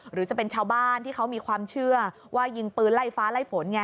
หรือจะเป็นชาวบ้านที่เขามีความเชื่อว่ายิงปืนไล่ฟ้าไล่ฝนไง